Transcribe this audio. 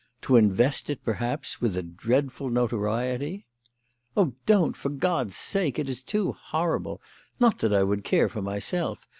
To invest it, perhaps, with a dreadful notoriety?" "Oh, don't! for God's sake! It is too horrible! Not that I would care for myself.